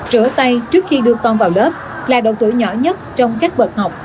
rửa tay trước khi đưa con vào lớp là độ tuổi nhỏ nhất trong các bậc học